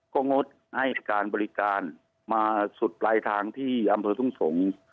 ก็งดให้การบริการมาสุดปลายทางที่อำเภอทุ่งสงศ์